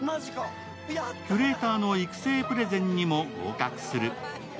キュレーターの育成プレゼンにも合格する。